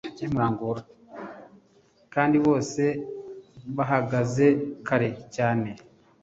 Kandi bose bahagaze kare cyane